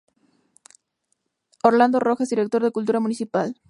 Lcdo Orlando Rojas Director de Cultura Municipal.